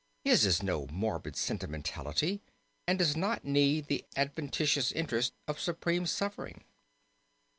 His is no morbid sentimentality and does not need the adventitious interest of supreme suffering.